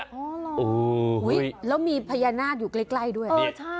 แล้วมีพญานาคอยู่ใกล้ด้วยอ่อใช่